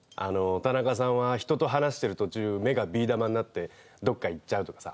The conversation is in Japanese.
「田中さんは人と話してる途中目がビー玉になってどっかいっちゃう」とかさ。